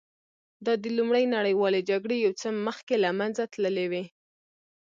دا د لومړۍ نړیوالې جګړې یو څه مخکې له منځه تللې وې